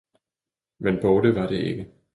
men borte var det ikke.